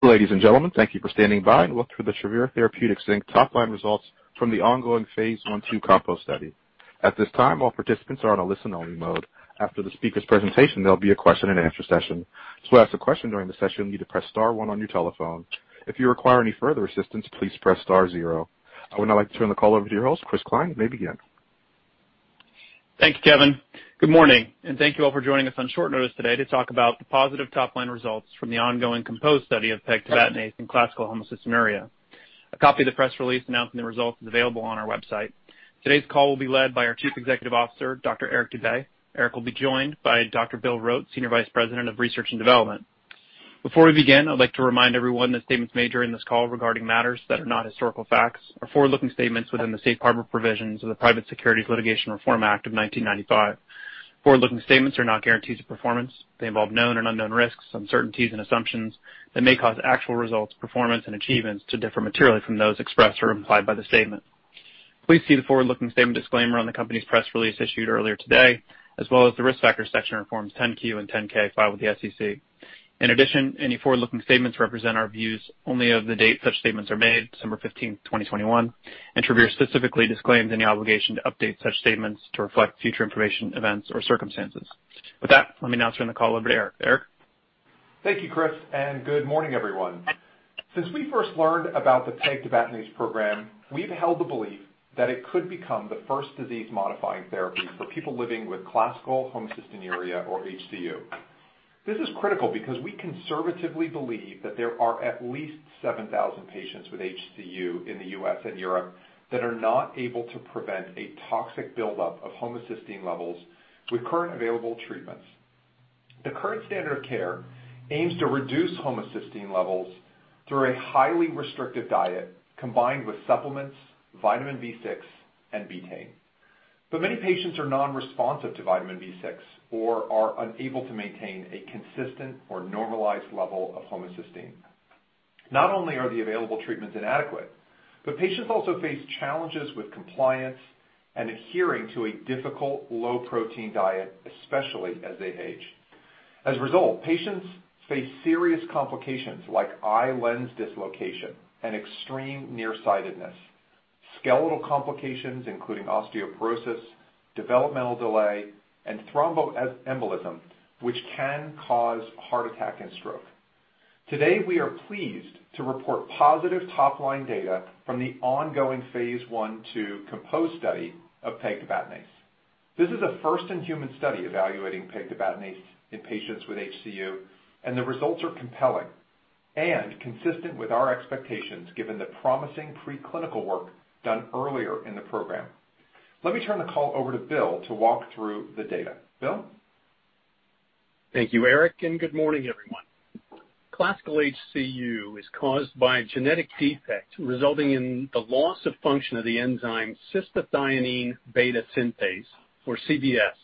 Ladies and gentlemen, thank you for standing by and welcome to the Travere Therapeutics, Inc. top-line results from the ongoing phase I/II COMPOSE study. At this time, all participants are on a listen-only mode. After the speaker's presentation, there'll be a question-and-answer session. To ask a question during the session, you need to press star one on your telephone. If you require any further assistance, please press star zero. I would now like to turn the call over to your host, Chris Cline. You may begin. Thank you, Kevin. Good morning and thank you all for joining us on short notice today to talk about the positive top-line results from the ongoing COMPOSE study of pegtibatinase in classical homocystinuria. A copy of the press release announcing the results is available on our website. Today's call will be led by our Chief Executive Officer, Dr. Eric Dube. Eric will be joined by Dr. Bill Rote, Senior Vice President of Research and Development. Before we begin, I'd like to remind everyone that statements made during this call regarding matters that are not historical facts are forward-looking statements within the Safe Harbor Provisions of the Private Securities Litigation Reform Act of 1995. Forward-looking statements are not guarantees of performance. They involve known and unknown risks, uncertainties, and assumptions that may cause actual results, performance, and achievements to differ materially from those expressed or implied by the statement. Please see the forward-looking statement disclaimer on the company's press release issued earlier today, as well as the Risk Factors section in Forms 10-Q and 10-K filed with the SEC. In addition, any forward-looking statements represent our views only as of the date such statements are made, December 15, 2021, and Travere specifically disclaims any obligation to update such statements to reflect future information, events or circumstances. With that, let me now turn the call over to Eric. Eric? Thank you, Chris, and good morning, everyone. Since we first learned about the pegtibatinase program, we've held the belief that it could become the first disease-modifying therapy for people living with classical homocystinuria or HCU. This is critical because we conservatively believe that there are at least 7,000 patients with HCU in the U.S. and Europe that are not able to prevent a toxic buildup of homocysteine levels with current available treatments. The current standard of care aims to reduce homocysteine levels through a highly restrictive diet combined with supplements, vitamin B6, and betaine. Many patients are non-responsive to vitamin B6 or are unable to maintain a consistent or normalized level of homocysteine. Not only are the available treatments inadequate, but patients also face challenges with compliance and adhering to a difficult low-protein diet, especially as they age. As a result, patients face serious complications like eye lens dislocation and extreme nearsightedness, skeletal complications, including osteoporosis, developmental delay, and thromboembolism, which can cause heart attack and stroke. Today, we are pleased to report positive top-line data from the ongoing phase I/II COMPOSE study of pegtibatinase. This is a first-in-human study evaluating pegtibatinase in patients with HCU, and the results are compelling and consistent with our expectations given the promising preclinical work done earlier in the program. Let me turn the call over to Bill to walk through the data. Bill? Thank you, Eric, and good morning, everyone. Classical HCU is caused by a genetic defect resulting in the loss of function of the enzyme cystathionine beta-synthase, or CBS,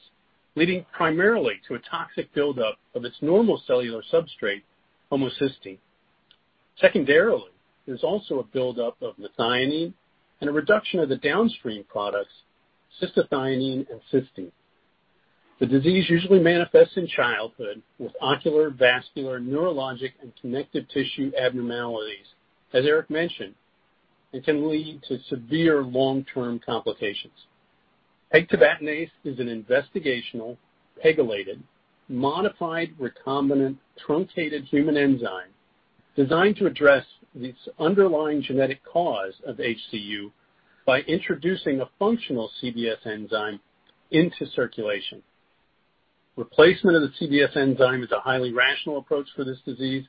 leading primarily to a toxic buildup of its normal cellular substrate, homocysteine. Secondarily, there's also a buildup of methionine and a reduction of the downstream products, cystathionine and cysteine. The disease usually manifests in childhood with ocular, vascular, neurologic, and connective tissue abnormalities. As Eric mentioned, it can lead to severe long-term complications. Pegtibatinase is an investigational, pegylated, modified recombinant truncated human enzyme designed to address the underlying genetic cause of HCU by introducing a functional CBS enzyme into circulation. Replacement of the CBS enzyme is a highly rational approach for this disease,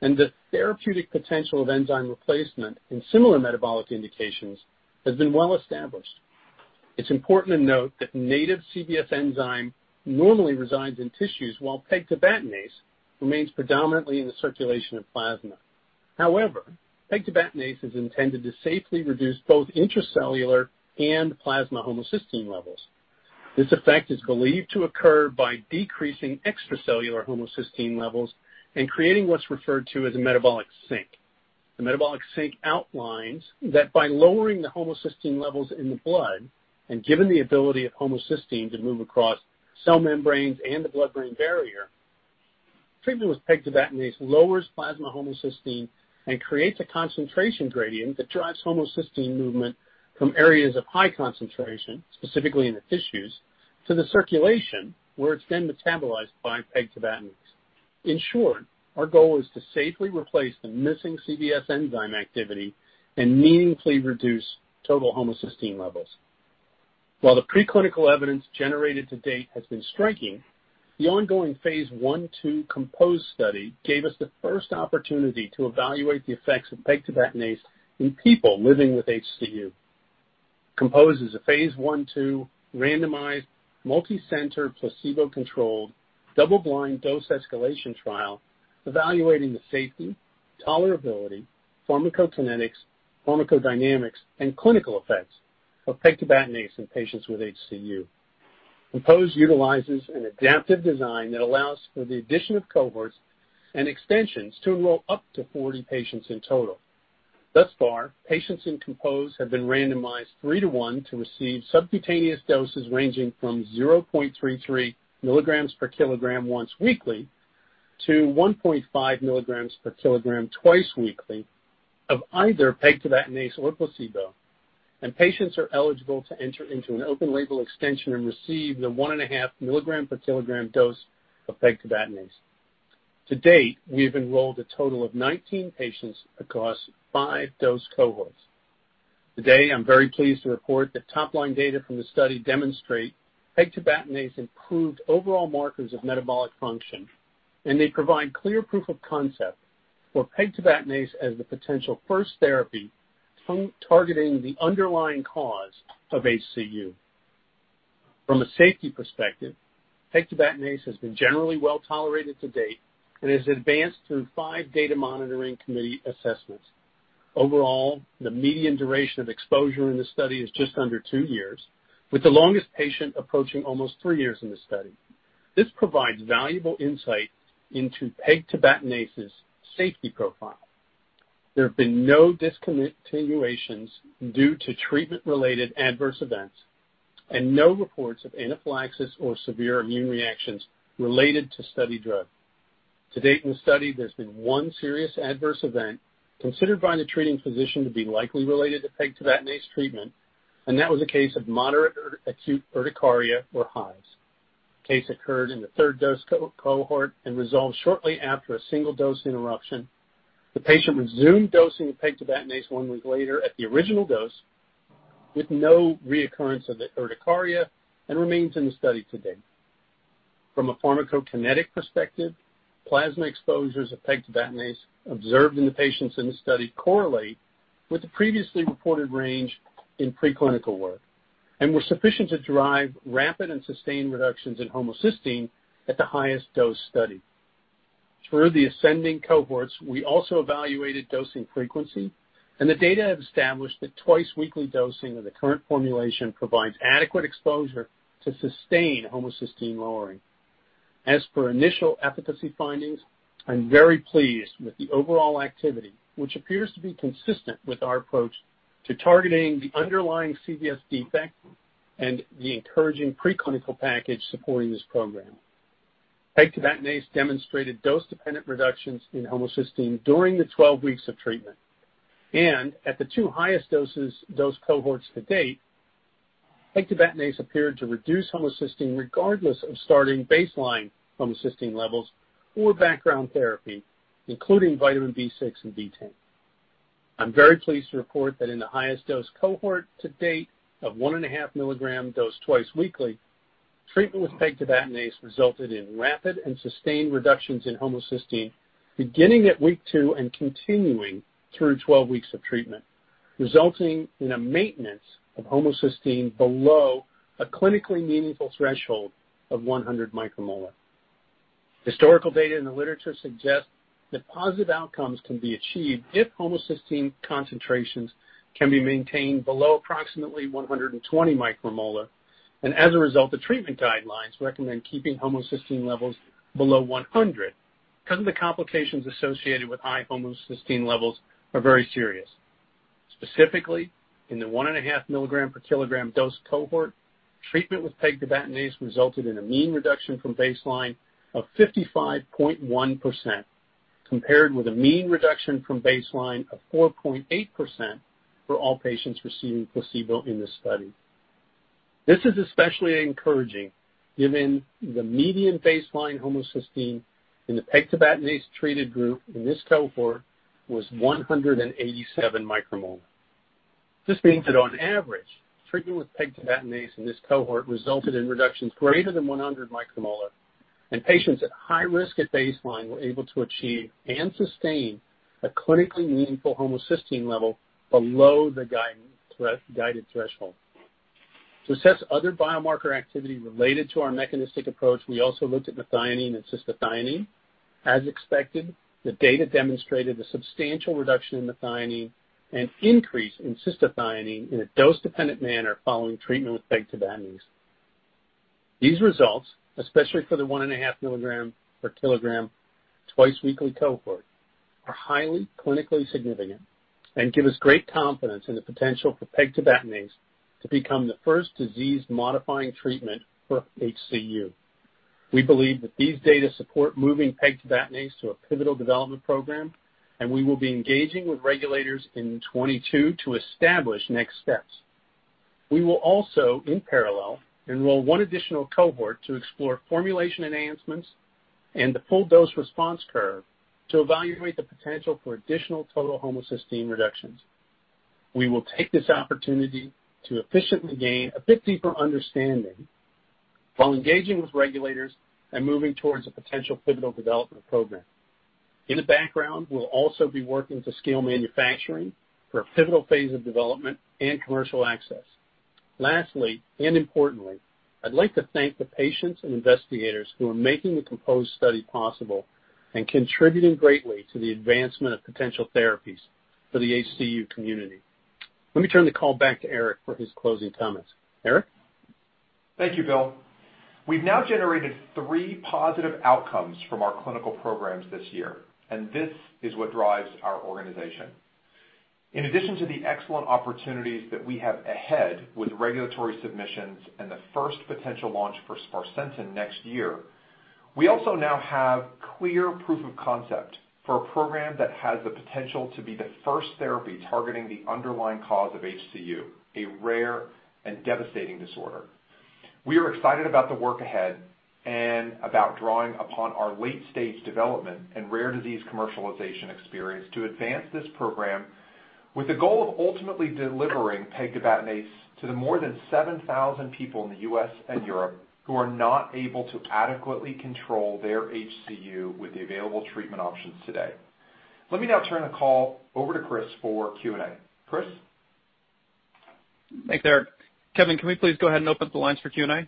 and the therapeutic potential of enzyme replacement in similar metabolic indications has been well established. It's important to note that native CBS enzyme normally resides in tissues while pegtibatinase remains predominantly in the circulation of plasma. However, pegtibatinase is intended to safely reduce both intracellular and plasma homocysteine levels. This effect is believed to occur by decreasing extracellular homocysteine levels and creating what's referred to as a metabolic sink. The metabolic sink outlines that by lowering the homocysteine levels in the blood, and given the ability of homocysteine to move across cell membranes and the blood-brain barrier, treatment with pegtibatinase lowers plasma homocysteine and creates a concentration gradient that drives homocysteine movement from areas of high concentration, specifically in the tissues, to the circulation, where it's then metabolized by pegtibatinase. In short, our goal is to safely replace the missing CBS enzyme activity and meaningfully reduce total homocysteine levels. While the preclinical evidence generated to date has been striking, the ongoing phase I/II COMPOSE study gave us the first opportunity to evaluate the effects of pegtibatinase in people living with HCU. COMPOSE is a phase I/II randomized, multicenter, placebo-controlled, double-blind dose escalation trial evaluating the safety, tolerability, pharmacokinetics, pharmacodynamics, and clinical effects of pegtibatinase in patients with HCU. COMPOSE utilizes an adaptive design that allows for the addition of cohorts and extensions to enroll up to 40 patients in total. Thus far, patients in COMPOSE have been randomized 3:1 to receive subcutaneous doses ranging from 0.33 mg/kg once weekly to 1.5 mg/kg twice weekly of either pegtibatinase or placebo. Patients are eligible to enter into an open-label extension and receive the 1.5 mg/kg dose of pegtibatinase. To date, we have enrolled a total of 19 patients across five dose cohorts. Today, I'm very pleased to report that top-line data from the study demonstrate pegtibatinase improved overall markers of metabolic function, and they provide clear proof of concept for pegtibatinase as the potential first therapy targeting the underlying cause of HCU. From a safety perspective, pegtibatinase has been generally well-tolerated to date and has advanced through five data monitoring committee assessments. Overall, the median duration of exposure in the study is just under two years, with the longest patient approaching almost three years in the study. This provides valuable insight into pegtibatinase's safety profile. There have been no discontinuations due to treatment-related adverse events and no reports of anaphylaxis or severe immune reactions related to study drug. To date, in the study, there's been one serious adverse event considered by the treating physician to be likely related to pegtibatinase treatment, and that was a case of moderate acute urticaria or hives. The case occurred in the third dose cohort and resolved shortly after a single dose interruption. The patient resumed dosing of pegtibatinase one week later at the original dose with no reoccurrence of the urticaria and remains in the study to date. From a pharmacokinetic perspective, plasma exposures of pegtibatinase observed in the patients in the study correlate with the previously reported range in preclinical work and were sufficient to drive rapid and sustained reductions in homocysteine at the highest dose study. Through the ascending cohorts, we also evaluated dosing frequency, and the data have established that twice-weekly dosing of the current formulation provides adequate exposure to sustain homocysteine lowering. As for initial efficacy findings, I'm very pleased with the overall activity, which appears to be consistent with our approach to targeting the underlying CBS defect and the encouraging preclinical package supporting this program. Pegtibatinase demonstrated dose-dependent reductions in homocysteine during the 12 weeks of treatment. At the two highest dose cohorts to date, pegtibatinase appeared to reduce homocysteine regardless of starting baseline homocysteine levels or background therapy, including vitamin B6 and B12. I'm very pleased to report that in the highest dose cohort to date of 1.5 mg dose twice weekly, treatment with pegtibatinase resulted in rapid and sustained reductions in homocysteine beginning at week two and continuing through 12 weeks of treatment, resulting in a maintenance of homocysteine below a clinically meaningful threshold of 100 micromolar. Historical data in the literature suggests that positive outcomes can be achieved if homocysteine concentrations can be maintained below approximately 120 micromolar, and as a result, the treatment guidelines recommend keeping homocysteine levels below 100 micromolar 'cause of the complications associated with high homocysteine levels are very serious. Specifically, in the 1.5 mg/kg dose cohort, treatment with pegtibatinase resulted in a mean reduction from baseline of 55.1%, compared with a mean reduction from baseline of 4.8% for all patients receiving placebo in this study. This is especially encouraging given the median baseline homocysteine in the pegtibatinase-treated group in this cohort was 187 micromolar. This means that on average, treatment with pegtibatinase in this cohort resulted in reductions greater than 100 micromolar, and patients at high risk at baseline were able to achieve and sustain a clinically meaningful homocysteine level below the guided threshold. To assess other biomarker activity related to our mechanistic approach, we also looked at methionine and cystathionine. As expected, the data demonstrated a substantial reduction in methionine and increase in cystathionine in a dose-dependent manner following treatment with pegtibatinase. These results, especially for the 1.5 mg/kg twice-weekly cohort, are highly clinically significant and give us great confidence in the potential for pegtibatinase to become the first disease-modifying treatment for HCU. We believe that these data support moving pegtibatinase to a pivotal development program, and we will be engaging with regulators in 2022 to establish next steps. We will also, in parallel, enroll one additional cohort to explore formulation enhancements and the full dose response curve to evaluate the potential for additional total homocysteine reductions. We will take this opportunity to efficiently gain a bit deeper understanding while engaging with regulators and moving towards a potential pivotal development program. In the background, we'll also be working to scale manufacturing for a pivotal phase of development and commercial access. Lastly, and importantly, I'd like to thank the patients and investigators who are making the COMPOSE study possible and contributing greatly to the advancement of potential therapies for the HCU community. Let me turn the call back to Eric for his closing comments. Eric? Thank you, Bill. We've now generated three positive outcomes from our clinical programs this year, and this is what drives our organization. In addition to the excellent opportunities that we have ahead with regulatory submissions and the first potential launch for sparsentan next year, we also now have clear proof of concept for a program that has the potential to be the first therapy targeting the underlying cause of HCU, a rare and devastating disorder. We are excited about the work ahead and about drawing upon our late-stage development and rare disease commercialization experience to advance this program with the goal of ultimately delivering pegtibatinase to the more than 7,000 people in the U.S. and Europe who are not able to adequately control their HCU with the available treatment options today. Let me now turn the call over to Chris for Q&A. Chris? Thanks, Eric. Kevin, can we please go ahead and open up the lines for Q&A?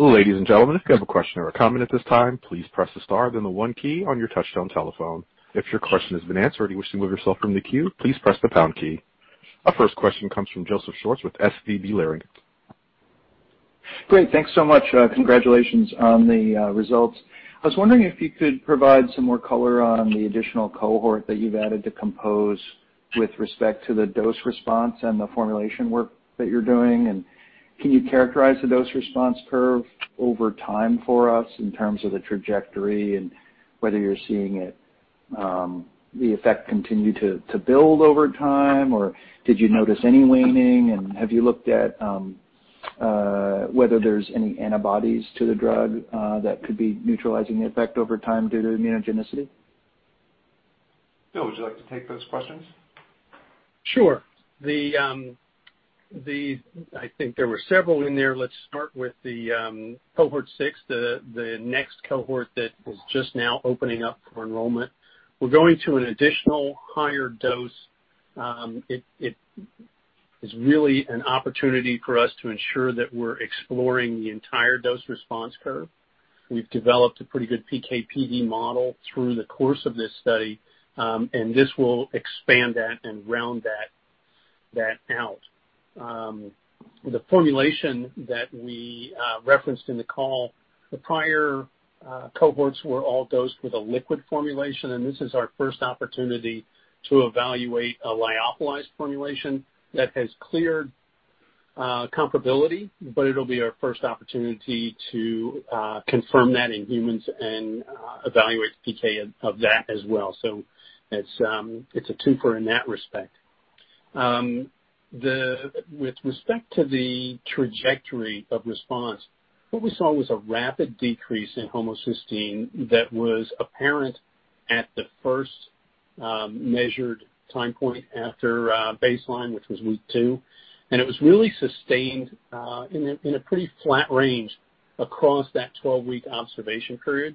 Ladies and gentlemen, if you have a question or a comment at this time, please press the star, then the one key on your touch-tone telephone. If your question has been answered and you wish to move yourself from the queue, please press the pound key. Our first question comes from Joseph Schwartz with SVB Leerink. Great. Thanks so much. Congratulations on the results. I was wondering if you could provide some more color on the additional cohort that you've added to COMPOSE with respect to the dose response and the formulation work that you're doing. Can you characterize the dose response curve over time for us in terms of the trajectory and whether you're seeing it, the effect continue to build over time, or did you notice any waning? Have you looked at whether there's any antibodies to the drug that could be neutralizing the effect over time due to immunogenicity? Bill, would you like to take those questions? Sure. I think there were several in there. Let's start with the Cohort 6, the next cohort that is just now opening up for enrollment. We're going to an additional higher dose. It is really an opportunity for us to ensure that we're exploring the entire dose response curve. We've developed a pretty good PK/PD model through the course of this study, and this will expand that and round that out. The formulation that we referenced in the call, the prior cohorts were all dosed with a liquid formulation, and this is our first opportunity to evaluate a lyophilized formulation that has cleared comparability, but it'll be our first opportunity to confirm that in humans and evaluate the PK of that as well. It's a twofer in that respect. With respect to the trajectory of response, what we saw was a rapid decrease in homocysteine that was apparent at the first measured time point after baseline, which was week two. It was really sustained in a pretty flat range across that 12-week observation period.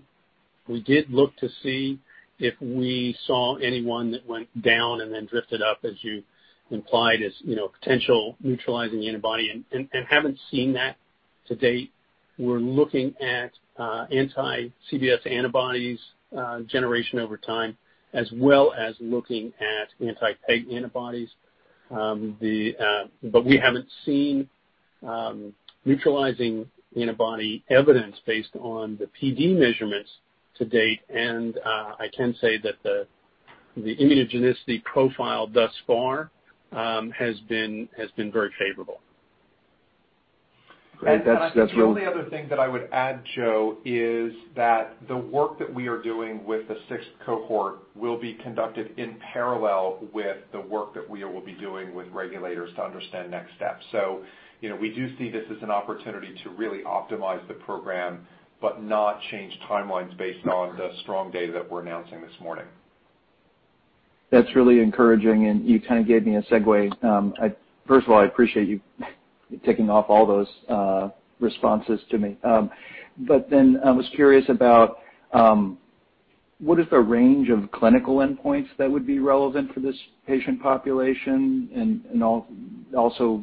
We did look to see if we saw anyone that went down and then drifted up as you implied, you know, potential neutralizing antibody and haven't seen that to date. We're looking at anti-CBS antibodies generation over time, as well as looking at anti-PEG antibodies. We haven't seen neutralizing antibody evidence based on the PD measurements to date. I can say that the immunogenicity profile thus far has been very favorable. Great. That's really— I think the only other thing that I would add, Joe, is that the work that we are doing with the sixth cohort will be conducted in parallel with the work that we will be doing with regulators to understand next steps. You know, we do see this as an opportunity to really optimize the program, but not change timelines based on the strong data that we're announcing this morning. That's really encouraging, and you kind of gave me a segue. First of all, I appreciate you taking off all those responses to me. I was curious about what is the range of clinical endpoints that would be relevant for this patient population and also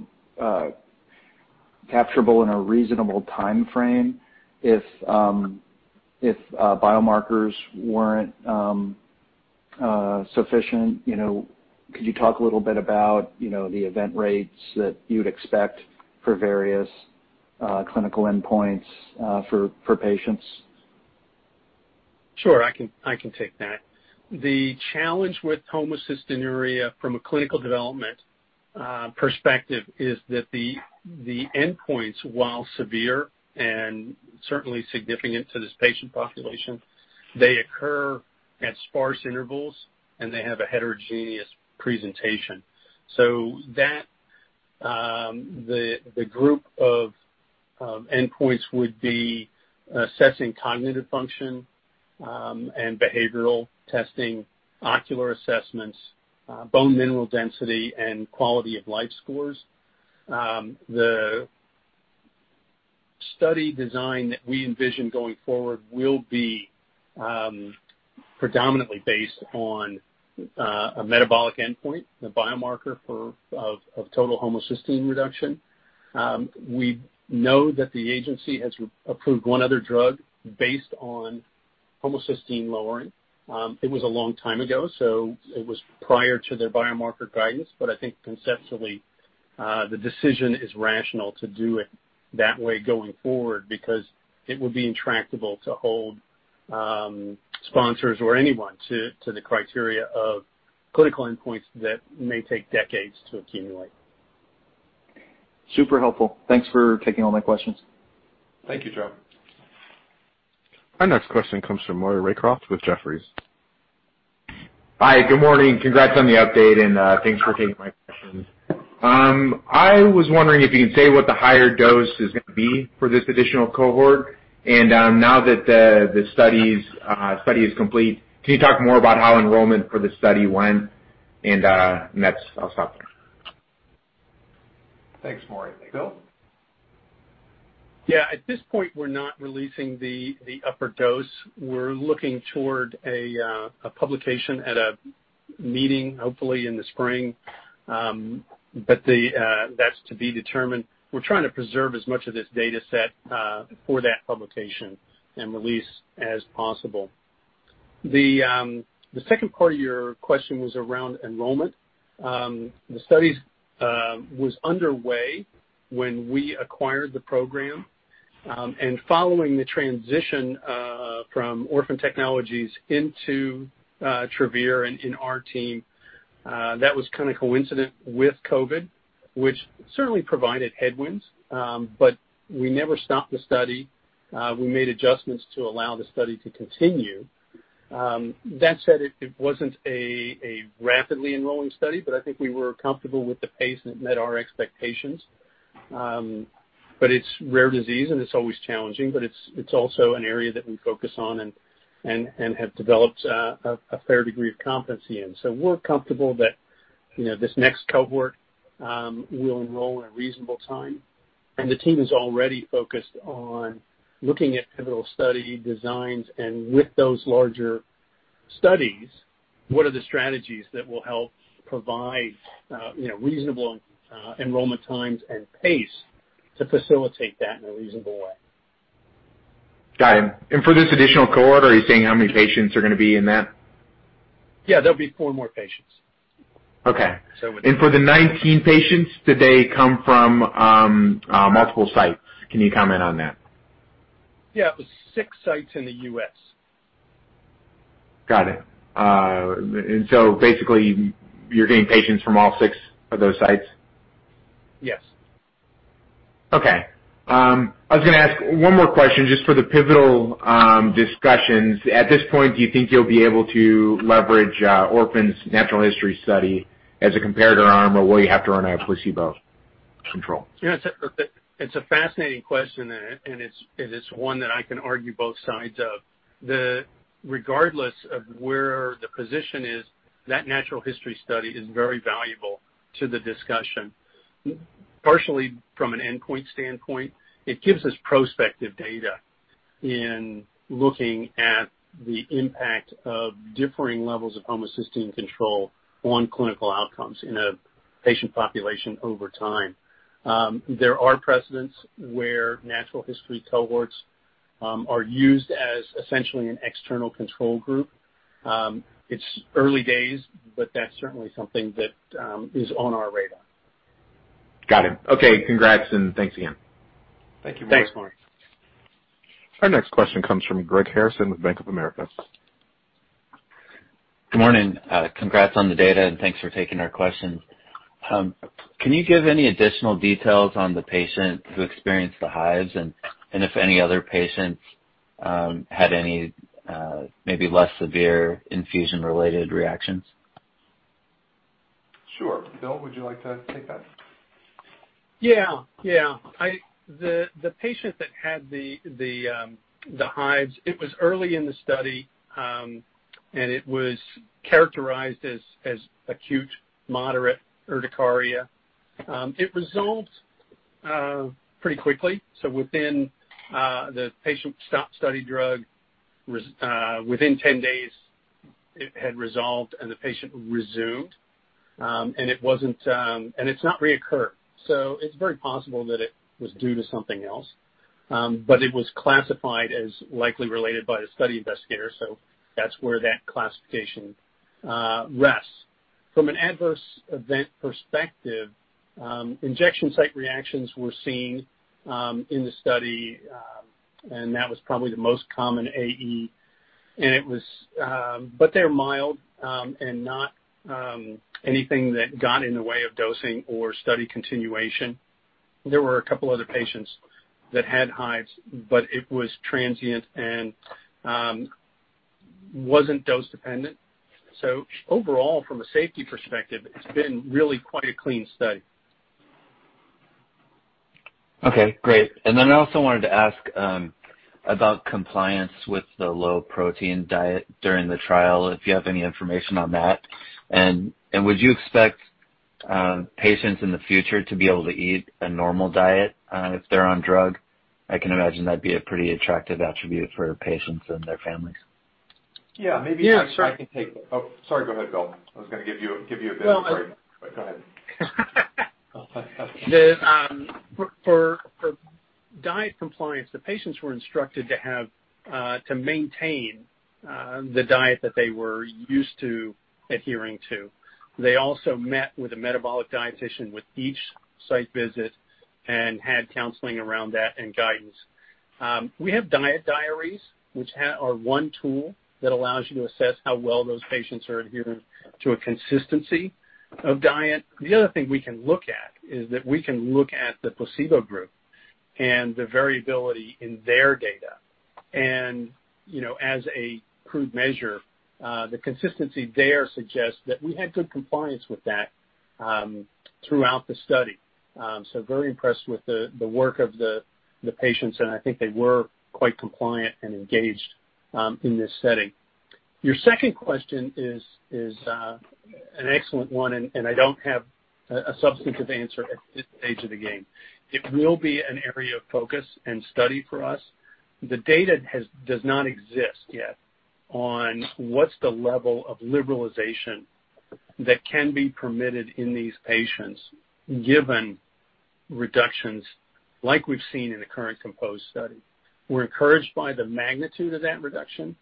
capturable in a reasonable timeframe if biomarkers weren't sufficient. You know, could you talk a little bit about, you know, the event rates that you'd expect for various clinical endpoints for patients? Sure. I can take that. The challenge with homocystinuria from a clinical development perspective is that the endpoints, while severe and certainly significant to this patient population, they occur at sparse intervals, and they have a heterogeneous presentation. The group of endpoints would be assessing cognitive function and behavioral testing, ocular assessments, bone mineral density, and quality-of-life scores. The study design that we envision going forward will be predominantly based on a metabolic endpoint, a biomarker of total homocysteine reduction. We know that the agency has approved one other drug based on homocysteine lowering. It was a long time ago, so it was prior to their biomarker guidance. I think conceptually, the decision is rational to do it that way going forward because it would be intractable to hold sponsors or anyone to the criteria of clinical endpoints that may take decades to accumulate. Super helpful. Thanks for taking all my questions. Thank you, Joe. Our next question comes from Maury Raycroft with Jefferies. Hi. Good morning. Congrats on the update, and thanks for taking my questions. I was wondering if you can say what the higher dose is gonna be for this additional cohort. Now that the study is complete, can you talk more about how enrollment for the study went? I'll stop there. Thanks, Maury. Bill? Yeah. At this point, we're not releasing the upper dose. We're looking toward a publication at a meeting, hopefully in the spring. That's to be determined. We're trying to preserve as much of this data set for that publication and release as possible. The second part of your question was around enrollment. The studies was underway when we acquired the program, and following the transition from Orphan Technologies into Travere and our team, that was kinda coincident with COVID, which certainly provided headwinds. We never stopped the study. We made adjustments to allow the study to continue. That said, it wasn't a rapidly enrolling study, but I think we were comfortable with the pace. It met our expectations. It's rare disease and it's always challenging, but it's also an area that we focus on and have developed a fair degree of competency in. We're comfortable that, you know, this next cohort will enroll in a reasonable time. The team is already focused on looking at pivotal study designs. With those larger studies, what are the strategies that will help provide, you know, reasonable enrollment times and pace to facilitate that in a reasonable way. Got it. For this additional cohort, are you saying how many patients are gonna be in that? Yeah, there'll be four more patients. Okay. So- For the 19 patients, did they come from multiple sites? Can you comment on that? Yeah. It was six sites in the U.S. Got it. Basically you're getting patients from all six of those sites. Yes. Okay. I was gonna ask one more question just for the pivotal discussions. At this point, do you think you'll be able to leverage Orphan's natural history study as a comparator arm, or will you have to run a placebo control? You know, it's a fascinating question, and it's one that I can argue both sides of. Regardless of where the position is, that natural history study is very valuable to the discussion. Partially from an endpoint standpoint, it gives us prospective data in looking at the impact of differing levels of homocysteine control on clinical outcomes in a patient population over time. There are precedents where natural history cohorts are used as essentially an external control group. It's early days, but that's certainly something that is on our radar. Got it. Okay. Congrats and thanks again. Thank you, Maury. Thanks, Maury. Our next question comes from Greg Harrison with Bank of America. Good morning. Congrats on the data, thanks for taking our questions. Can you give any additional details on the patient who experienced the hives and if any other patients had any maybe less severe infusion-related reactions? Sure. Bill, would you like to take that? The patient that had the hives, it was early in the study, and it was characterized as acute moderate urticaria. It resolved pretty quickly. So within, the patient stopped study drug within 10 days, it had resolved and the patient resumed. It wasn't, and it's not reoccurred, so it's very possible that it was due to something else. It was classified as likely related by the study investigator, so that's where that classification rests. From an adverse event perspective, injection site reactions were seen in the study, and that was probably the most common AE. But they're mild, and not anything that got in the way of dosing or study continuation. There were a couple other patients that had hives, but it was transient and wasn't dose dependent. Overall, from a safety perspective, it's been really quite a clean study. Okay. Great. Then I also wanted to ask about compliance with the low protein diet during the trial, if you have any information on that. Would you expect patients in the future to be able to eat a normal diet, if they're on drug? I can imagine that'd be a pretty attractive attribute for patients and their families. Yeah, maybe I can take— Yeah, sure. Oh, sorry. Go ahead, Bill. I was going to give you a bit. Sorry. Go ahead. For diet compliance, the patients were instructed to maintain the diet that they were used to adhering to. They also met with a metabolic dietitian with each site visit and had counseling around that and guidance. We have diet diaries which are one tool that allows you to assess how well those patients are adhering to a consistency of diet. The other thing we can look at is the placebo group and the variability in their data and, you know, as a crude measure, the consistency there suggests that we had good compliance with that, throughout the study. Very impressed with the work of the patients, and I think they were quite compliant and engaged, in this setting. Your second question is an excellent one and I don't have a substantive answer at this stage of the game. It will be an area of focus and study for us. The data does not exist yet on what's the level of liberalization that can be permitted in these patients, given reductions like we've seen in the current COMPOSE study. We're encouraged by the magnitude of that reduction,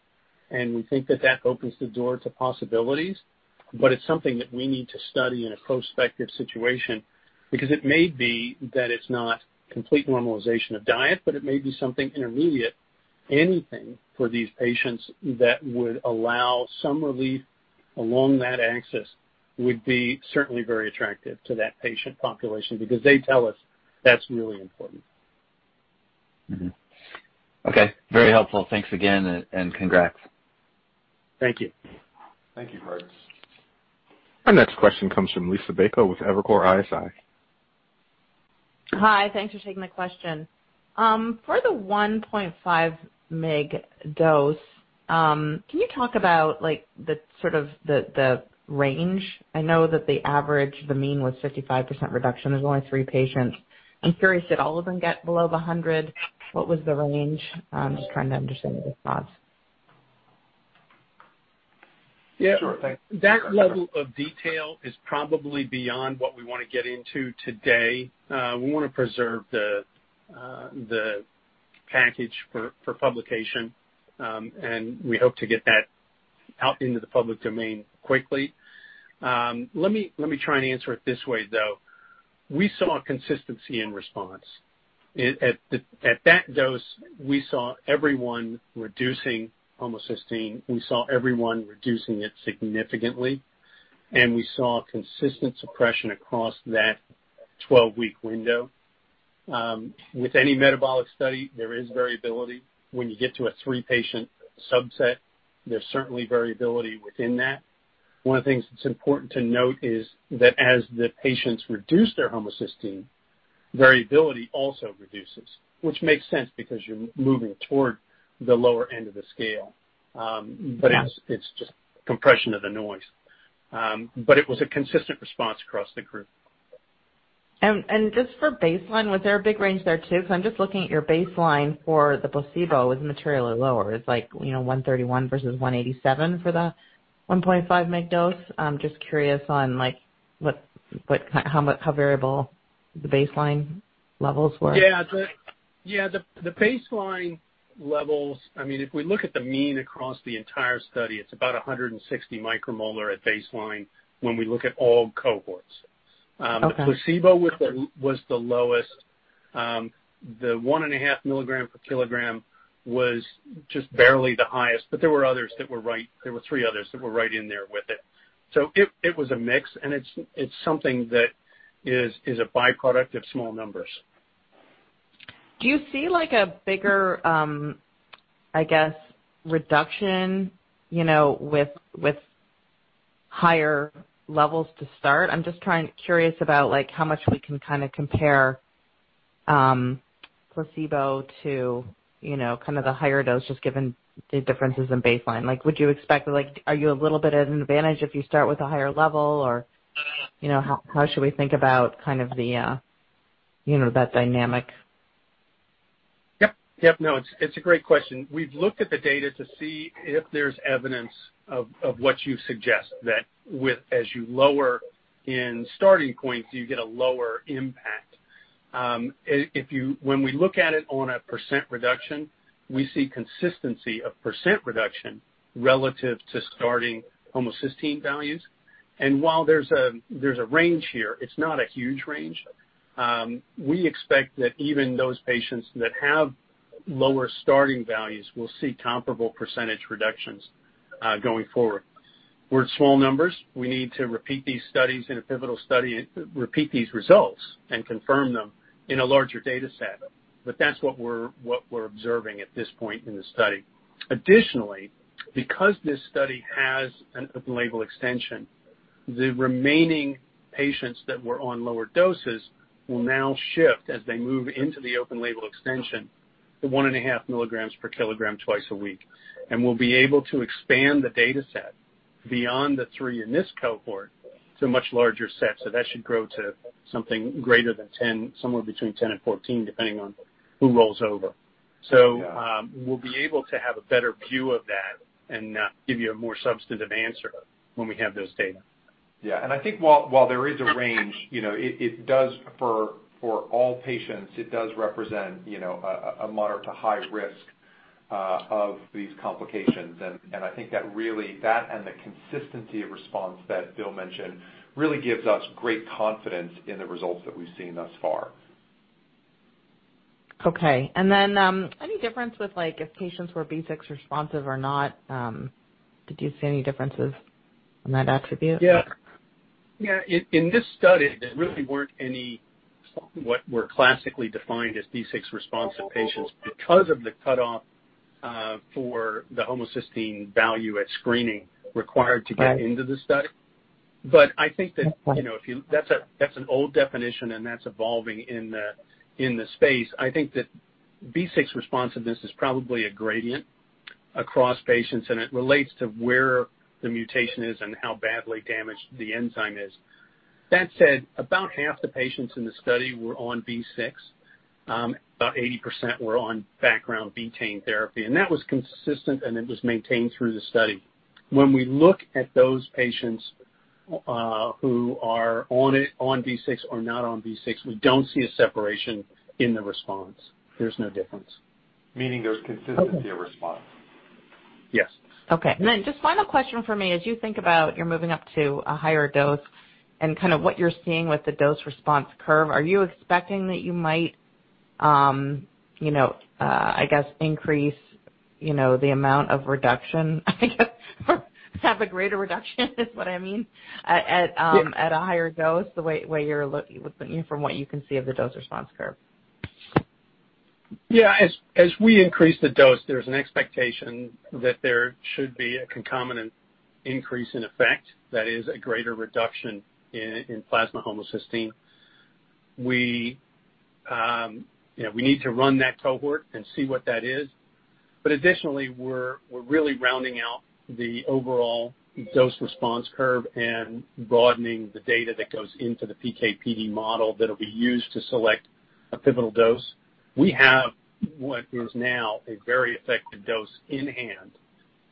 and we think that that opens the door to possibilities. It's something that we need to study in a prospective situation because it may be that it's not complete normalization of diet, but it may be something intermediate. Anything for these patients that would allow some relief along that axis would be certainly very attractive to that patient population because they tell us that's really important. Okay. Very helpful. Thanks again and congrats. Thank you. Thank you, Greg. Our next question comes from Liisa Bayko with Evercore ISI. Hi. Thanks for taking my question. For the 1.5 mg dose, can you talk about like the range? I know that the average, the mean was 55% reduction. There's only three patients. I'm curious, did all of them get below the 100 micromolar? What was the range? I'm just trying to understand the response. Yeah. Sure thing. That level of detail is probably beyond what we want to get into today. We want to preserve the package for publication. We hope to get that out into the public domain quickly. Let me try and answer it this way, though. We saw consistency in response. At that dose we saw everyone reducing homocysteine. We saw everyone reducing it significantly, and we saw consistent suppression across that 12-week window. With any metabolic study, there is variability. When you get to a three-patient subset, there's certainly variability within that. One of the things that's important to note is that as the patients reduce their homocysteine, variability also reduces, which makes sense because you're moving toward the lower end of the scale. But it's just compression of the noise. It was a consistent response across the group. Just for baseline, was there a big range there too? Because I'm just looking at your baseline for the placebo is materially lower. It's like, you know, 131 micromolar versus 187 micromolar for the 1.5 mg dose. I'm just curious on like what, how variable the baseline levels were. The baseline levels, I mean, if we look at the mean across the entire study, it's about 160 micromolar at baseline when we look at all cohorts. Okay. Placebo was the lowest. The 1.5 mg/kg was just barely the highest, but there were three others that were right in there with it. It was a mix and it's something that is a byproduct of small numbers. Do you see like a bigger, I guess, reduction, you know, with higher levels to start? I'm curious about like how much we can kind of compare, placebo to, you know, kind of the higher dose just given the differences in baseline. Like, would you expect like, are you a little bit at an advantage if you start with a higher level or, you know, how should we think about kind of the, you know, that dynamic? Yep. Yep. No, it's a great question. We've looked at the data to see if there's evidence of what you suggest, that with, as you lower in starting points, you get a lower impact. When we look at it on a percent reduction, we see consistency of percent reduction relative to starting homocysteine values. While there's a range here, it's not a huge range. We expect that even those patients that have lower starting values will see comparable percentage reductions going forward. We're in small numbers. We need to repeat these studies in a pivotal study, repeat these results and confirm them in a larger data set. That's what we're observing at this point in the study. Additionally, because this study has an open-label extension, the remaining patients that were on lower doses will now shift as they move into the open-label extension, the 1.5 mg/kg twice a week. We'll be able to expand the data set beyond the three in this cohort, it's a much larger set, so that should grow to something greater than 10, somewhere between 10 and 14, depending on who rolls over. Yeah. We'll be able to have a better view of that and give you a more substantive answer when we have those data. I think while there is a range, you know, it does, for all patients, represent, you know, a moderate to high risk of these complications. I think that and the consistency of response that Bill mentioned really gives us great confidence in the results that we've seen thus far. Okay. Any difference, like, if patients were B6 responsive or not? Did you see any differences on that attribute? Yeah. In this study, there really weren't any what were classically defined as B6 responsive patients because of the cutoff for the homocysteine value at screening required to— Right. — get into the study. I think that— Okay. That's an old definition, and that's evolving in the space. I think that B6 responsiveness is probably a gradient across patients, and it relates to where the mutation is and how badly damaged the enzyme is. That said, about half the patients in the study were on B6. About 80% were on background betaine therapy, and that was consistent, and it was maintained through the study. When we look at those patients who are on B6 or not on B6, we don't see a separation in the response. There's no difference. Meaning there's consistency— Okay. — of response. Yes. Okay. Just final question for me. As you think about you're moving up to a higher dose and kind of what you're seeing with the dose response curve, are you expecting that you might, you know, I guess, increase, you know, the amount of reduction, I guess, have a greater reduction is what I mean at— Yeah. — at a higher dose, the way you're looking from what you can see of the dose response curve? Yeah. As we increase the dose, there's an expectation that there should be a concomitant increase in effect. That is a greater reduction in plasma homocysteine. We, you know, we need to run that cohort and see what that is. Additionally, we're really rounding out the overall dose response curve and broadening the data that goes into the PK/PD model that'll be used to select a pivotal dose. We have what is now a very effective dose in hand,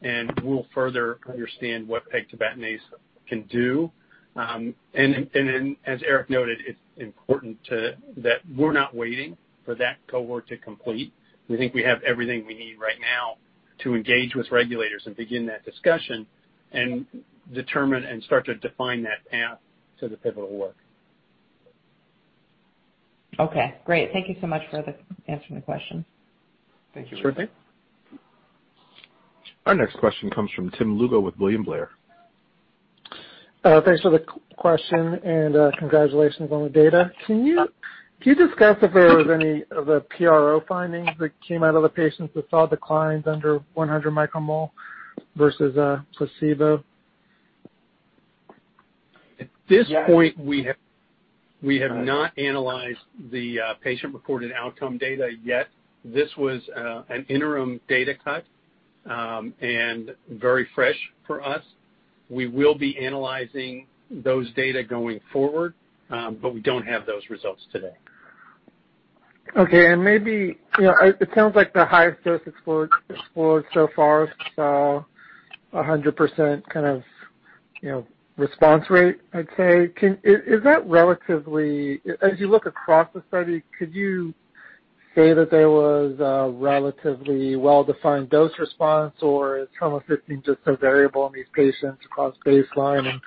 and we'll further understand what pegtibatinase can do. As Eric noted, it's important that we're not waiting for that cohort to complete. We think we have everything we need right now to engage with regulators and begin that discussion and determine and start to define that path to the pivotal work. Okay. Great. Thank you so much for answering the question. Thank you. Sure thing. Our next question comes from Tim Lugo with William Blair. Thanks for the question, and congratulations on the data. Can you discuss if there was any of the PRO findings that came out of the patients that saw declines under 100 micromolar versus placebo? At this point. Yeah. We have not analyzed the patient-reported outcome data yet. This was an interim data cut and very fresh for us. We will be analyzing those data going forward, but we don't have those results today. Okay. Maybe, you know, it sounds like the highest dose explored so far saw a 100% kind of, you know, response rate, I'd say. Is that relatively as you look across the study, could you say that there was a relatively well-defined dose response, or is homocysteine just so variable in these patients across baseline and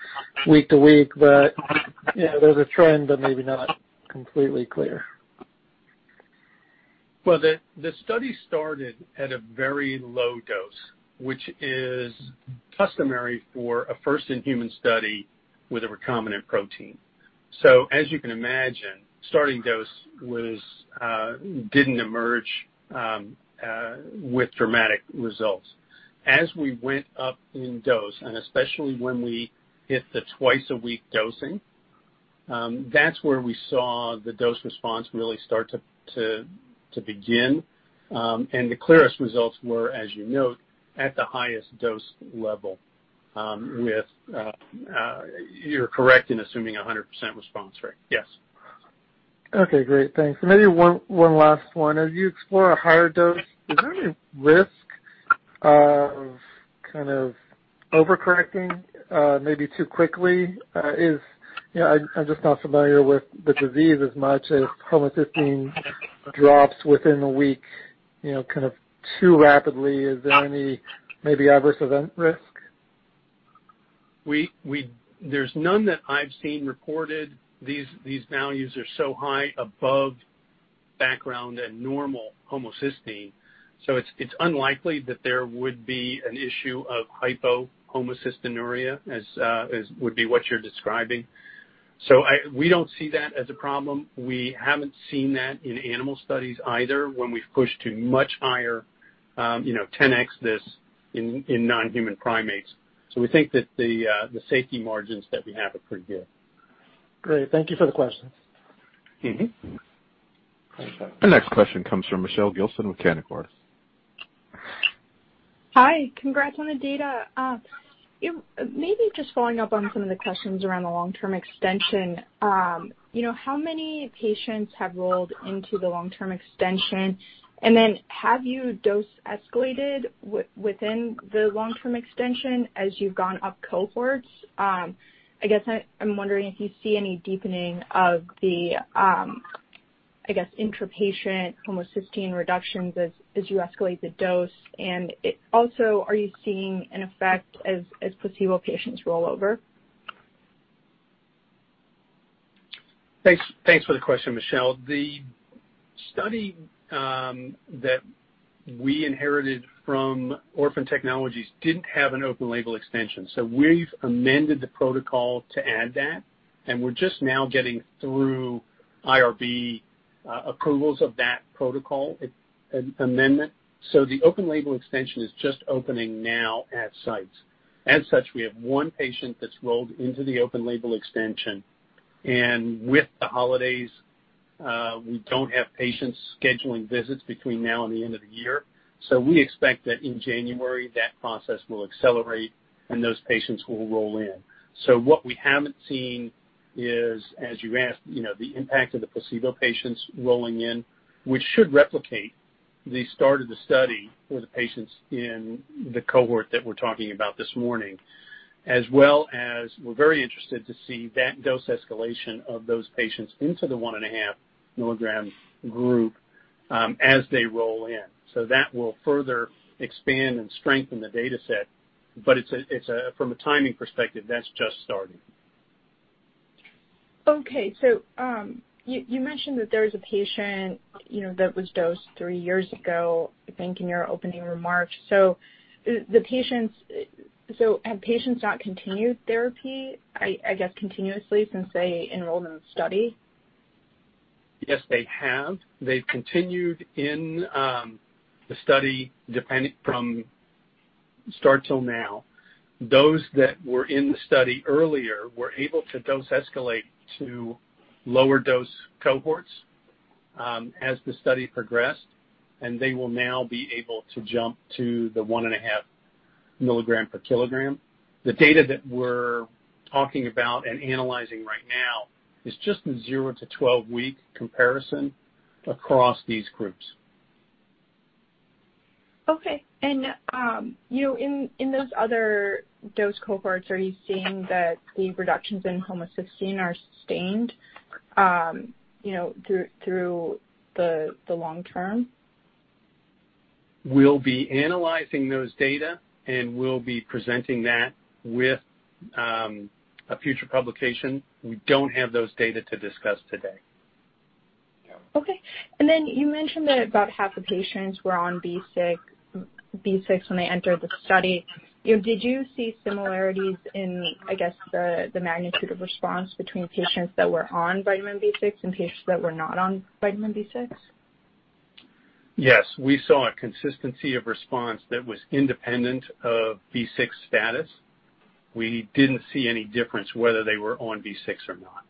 week to week that, you know, there's a trend but maybe not completely clear? Well, the study started at a very low dose, which is customary for a first-in-human study with a recombinant protein. As you can imagine, the starting dose didn't emerge with dramatic results. As we went up in dose, and especially when we hit the twice-a-week dosing, that's where we saw the dose response really start to begin. The clearest results were, as you note, at the highest dose level. You're correct in assuming 100% response rate. Yes. Okay, great. Thanks. Maybe one last one. As you explore a higher dose, is there any risk of kind of overcorrecting maybe too quickly? You know, I'm just not familiar with the disease as much. If homocysteine drops within a week, you know, kind of too rapidly, is there any maybe adverse event risk? There's none that I've seen reported. These values are so high above background and normal homocysteine. It's unlikely that there would be an issue of homocystinuria as would be what you're describing. We don't see that as a problem. We haven't seen that in animal studies either when we've pushed to much higher, you know, 10x this in non-human primates. We think that the safety margins that we have are pretty good. Great. Thank you for the question. Mm-hmm. The next question comes from Michelle Gilson with Canaccord. Hi. Congrats on the data. Maybe just following up on some of the questions around the long-term extension. You know, how many patients have rolled into the long-term extension? Have you dose escalated within the long-term extension as you've gone up cohorts? I guess I'm wondering if you see any deepening of the I guess intrapatient homocysteine reductions as you escalate the dose. Also, are you seeing an effect as placebo patients roll over? Thanks for the question, Michelle. The study that we inherited from Orphan Technologies didn't have an open-label extension. We've amended the protocol to add that, and we're just now getting through IRB approvals of that protocol amendment. The open-label extension is just opening now at sites. As such, we have one patient that's rolled into the open-label extension. With the holidays, we don't have patients scheduling visits between now and the end of the year. We expect that in January that process will accelerate and those patients will roll in. What we haven't seen is, as you asked, you know, the impact of the placebo patients rolling in, which should replicate the start of the study for the patients in the cohort that we're talking about this morning. As well as we're very interested to see that dose escalation of those patients into the 1.5 mg group, as they roll in. That will further expand and strengthen the data set. From a timing perspective, that's just starting. Okay, you mentioned that there was a patient, you know, that was dosed three years ago, I think, in your opening remarks. Have patients not continued therapy, I guess, continuously since they enrolled in the study? Yes, they have. They've continued in the study depending from start till now. Those that were in the study earlier were able to dose escalate from lower dose cohorts as the study progressed, and they will now be able to jump to the 1.5 mg/kg. The data that we're talking about and analyzing right now is just the zero to 12-week comparison across these groups. Okay. You know, in those other dose cohorts, are you seeing that the reductions in homocysteine are sustained, you know, through the long term? We'll be analyzing those data, and we'll be presenting that with a future publication. We don't have those data to discuss today. Okay. You mentioned that about half the patients were on B6 when they entered the study. You know, did you see similarities in, I guess, the magnitude of response between patients that were on vitamin B6 and patients that were not on vitamin B6? Yes. We saw a consistency of response that was independent of B6 status. We didn't see any difference whether they were on B6 or not.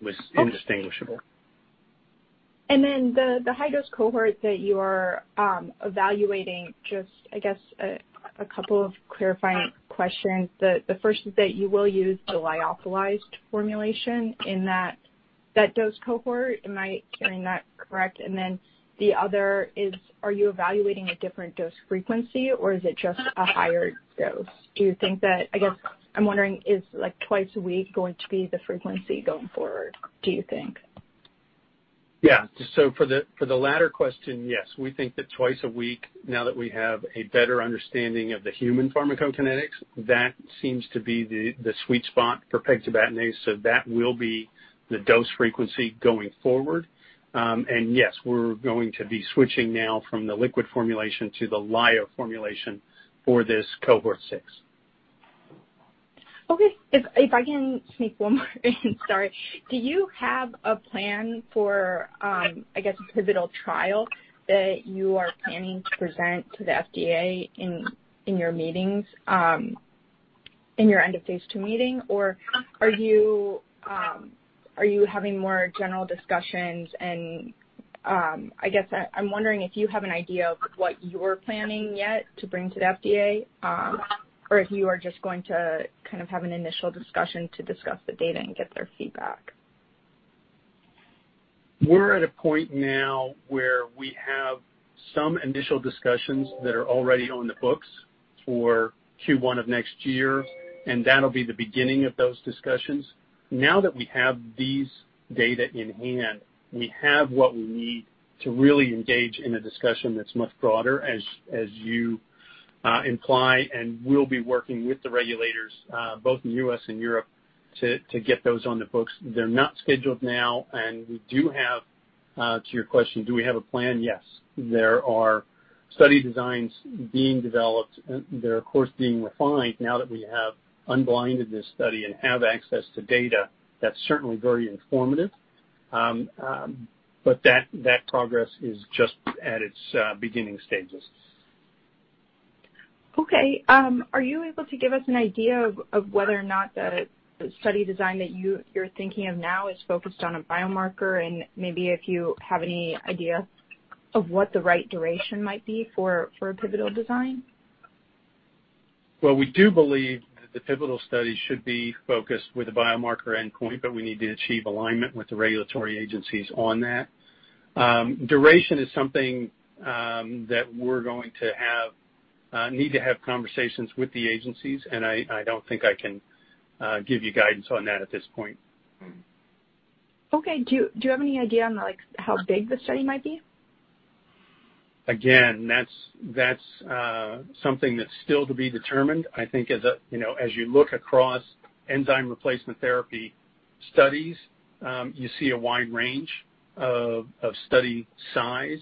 It was indistinguishable. Then the high dose cohort that you are evaluating, just I guess a couple of clarifying questions. The first is that you will use the lyophilized formulation in that dose cohort. Am I hearing that correct? Then the other is, are you evaluating a different dose frequency or is it just a higher dose? Do you think that, I guess I'm wondering, is like twice a week going to be the frequency going forward, do you think? Yeah. For the latter question, yes, we think that twice a week now that we have a better understanding of the human pharmacokinetics, that seems to be the sweet spot for pegtibatinase. That will be the dose frequency going forward. Yes, we're going to be switching now from the liquid formulation to the lyo formulation for this Cohort 6. Okay. If I can sneak one more in, sorry. Do you have a plan for, I guess, a pivotal trial that you are planning to present to the FDA in your meetings, in your end of phase II meeting? Or are you having more general discussions and, I guess I'm wondering if you have an idea of what you're planning yet to bring to the FDA, or if you are just going to kind of have an initial discussion to discuss the data and get their feedback. We're at a point now where we have some initial discussions that are already on the books for Q1 of next year, and that'll be the beginning of those discussions. Now that we have these data in hand, we have what we need to really engage in a discussion that's much broader as you imply, and we'll be working with the regulators both in U.S. and Europe to get those on the books. They're not scheduled now. We do have to your question, do we have a plan? Yes. There are study designs being developed. They're of course being refined now that we have unblinded this study and have access to data that's certainly very informative. But that progress is just at its beginning stages. Okay. Are you able to give us an idea of whether or not the study design that you're thinking of now is focused on a biomarker and maybe if you have any idea of what the right duration might be for a pivotal design? Well, we do believe that the pivotal study should be focused with a biomarker endpoint, but we need to achieve alignment with the regulatory agencies on that. Duration is something that we're going to need to have conversations with the agencies, and I don't think I can give you guidance on that at this point. Okay. Do you have any idea on, like, how big the study might be? Again, that's something that's still to be determined. I think as a, you know, as you look across enzyme replacement therapy studies, you see a wide range of study size.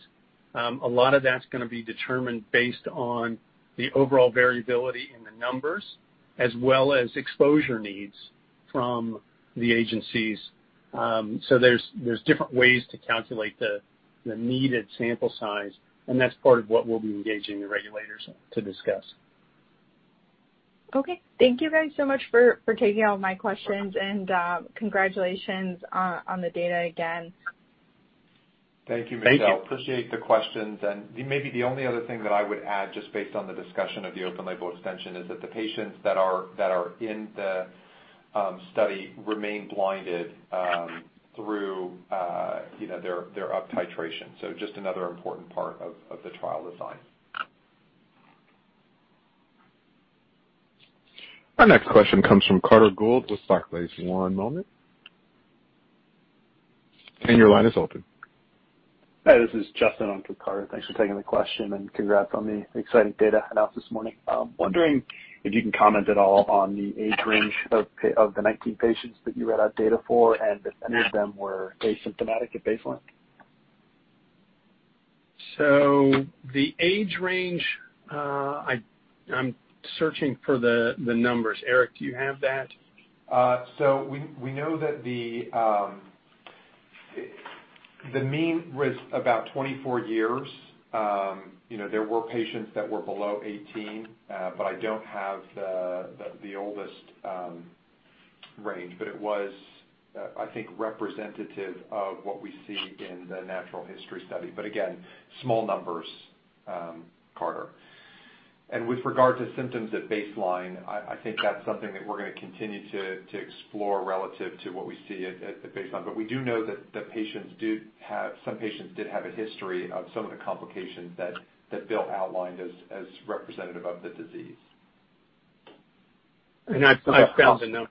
A lot of that's gonna be determined based on the overall variability in the numbers as well as exposure needs from the agencies. There's different ways to calculate the needed sample size, and that's part of what we'll be engaging the regulators to discuss. Okay. Thank you guys so much for taking all my questions. Welcome. Congratulations on the data again. Thank you, Michelle. Thank you. Appreciate the questions. Maybe the only other thing that I would add, just based on the discussion of the open-label extension, is that the patients that are in the study remain blinded through their uptitration. Just another important part of the trial design. Our next question comes from Carter Gould with Barclays. One moment. Your line is open. Hi, this is Justin on for Carter. Thanks for taking the question, and congrats on the exciting data announced this morning. Wondering if you can comment at all on the age range of the 19 patients that you read out data for and if any of them were asymptomatic at baseline. The age range, I'm searching for the numbers. Eric, do you have that? We know that the mean was about 24 years. You know, there were patients that were below 18, but I don't have the oldest range. I think it was representative of what we see in the natural history study. Again, small numbers, Carter. With regard to symptoms at baseline, I think that's something that we're gonna continue to explore relative to what we see at baseline. We do know that some patients did have a history of some of the complications that Bill outlined as representative of the disease. I've found the number.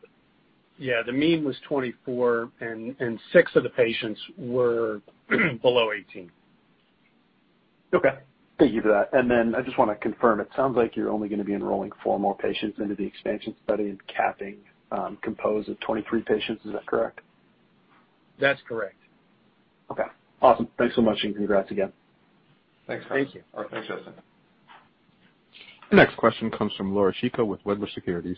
Yeah, the mean was 24, and six of the patients were below 18. Okay. Thank you for that. I just wanna confirm, it sounds like you're only gonna be enrolling four more patients into the expansion study and capping COMPOSE at 23 patients. Is that correct? That's correct. Okay. Awesome. Thanks so much, and congrats again. Thanks, Justin. Thank you. All right. Thanks, Justin. The next question comes from Laura Chico with Wedbush Securities.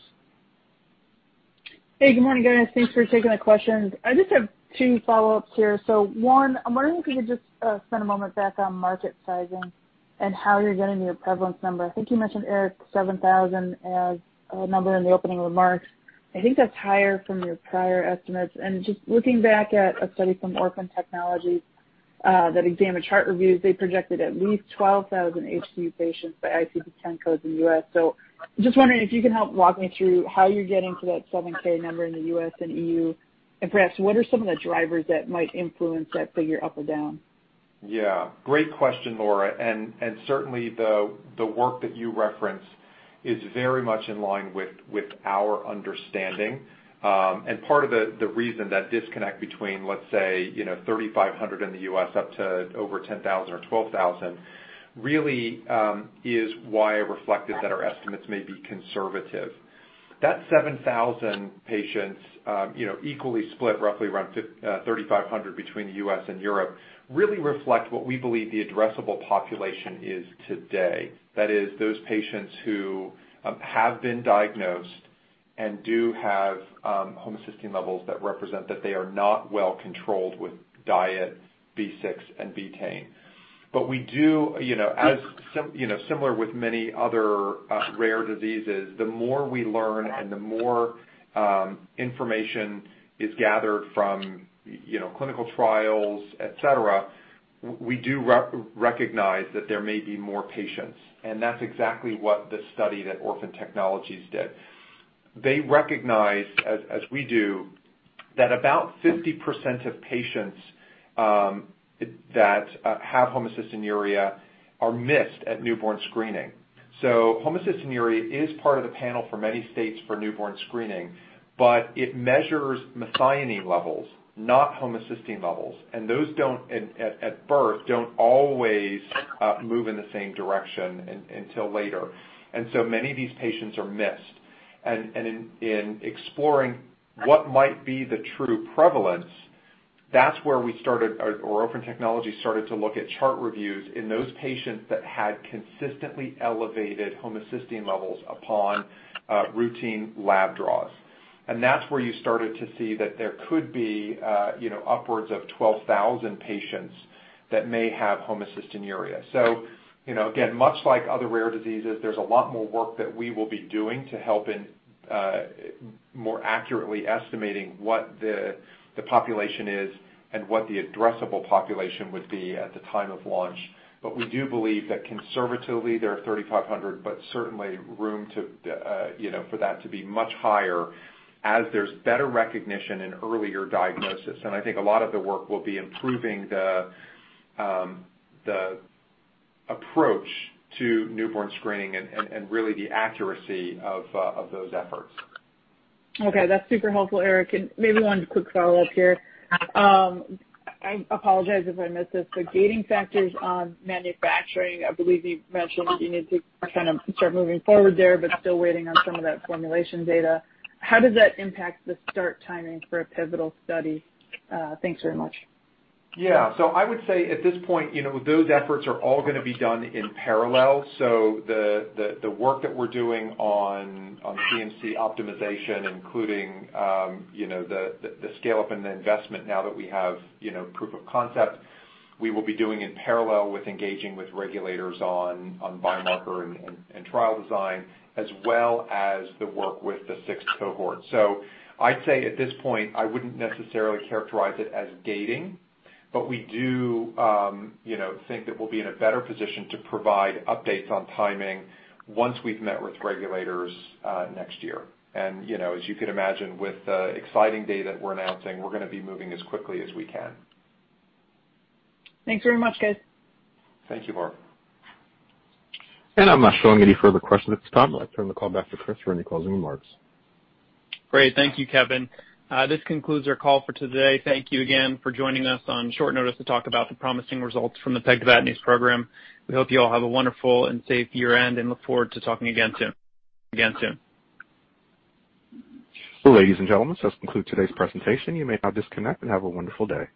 Hey, good morning, guys. Thanks for taking the questions. I just have two follow-ups here. One, I'm wondering if you could just spend a moment back on market sizing and how you're getting your prevalence number. I think you mentioned, Eric, 7,000 as a number in the opening remarks. I think that's higher from your prior estimates. And just looking back at a study from Orphan Technologies that examined chart reviews, they projected at least 12,000 HCU patients by ICD-10 codes in the U.S. Just wondering if you can help walk me through how you're getting to that 7,000 number in the U.S. and E.U., and perhaps what are some of the drivers that might influence that figure up or down? Yeah, great question, Laura. Certainly the work that you referenced is very much in line with our understanding. Part of the reason that disconnect between, let's say, you know, 3,500 in the U.S. up to over 10,000 or 12,000 really is why I reflected that our estimates may be conservative. That 7,000 patients, you know, equally split roughly around 3,500 between the U.S. and Europe, really reflect what we believe the addressable population is today. That is, those patients who have been diagnosed and do have homocysteine levels that represent that they are not well controlled with diet B6 and betaine. We do, you know, as similar with many other rare diseases, the more we learn and the more information is gathered from, you know, clinical trials, et cetera, we do recognize that there may be more patients. That's exactly what the study that Orphan Technologies did. They recognize, as we do, that about 50% of patients that have homocystinuria are missed at newborn screening. Homocystinuria is part of the panel for many states for newborn screening, but it measures methionine levels, not homocysteine levels. Those don't at birth always move in the same direction until later. Many of these patients are missed. In exploring what might be the true prevalence, Orphan Technologies started to look at chart reviews in those patients that had consistently elevated homocysteine levels upon routine lab draws. That's where you started to see that there could be, you know, upwards of 12,000 patients that may have homocystinuria. You know, again, much like other rare diseases, there's a lot more work that we will be doing to help in more accurately estimating what the population is and what the addressable population would be at the time of launch. We do believe that conservatively there are 3,500, but certainly room to, you know, for that to be much higher as there's better recognition and earlier diagnosis. I think a lot of the work will be improving the approach to newborn screening and really the accuracy of those efforts. Okay. That's super helpful, Eric. Maybe one quick follow-up here. I apologize if I missed this, but gating factors on manufacturing, I believe you mentioned that you need to kind of start moving forward there but still waiting on some of that formulation data. How does that impact the start timing for a pivotal study? Thanks very much. Yeah. I would say at this point, you know, those efforts are all gonna be done in parallel. The work that we're doing on CMC optimization, including, you know, the scale-up and the investment now that we have, you know, proof of concept, we will be doing in parallel with engaging with regulators on biomarker and trial design as well as the work with the six cohorts. I'd say at this point, I wouldn't necessarily characterize it as gating, but we do, you know, think that we'll be in a better position to provide updates on timing once we've met with regulators next year. You know, as you could imagine, with the exciting data we're announcing, we're gonna be moving as quickly as we can. Thanks very much, guys. Thank you, Laura. I'm not showing any further questions at this time. I'd like to turn the call back to Chris for any closing remarks. Great. Thank you, Kevin. This concludes our call for today. Thank you again for joining us on short notice to talk about the promising results from the pegtibatinase program. We hope you all have a wonderful and safe year-end and look forward to talking again soon. Ladies and gentlemen, this concludes today's presentation. You may now disconnect and have a wonderful day.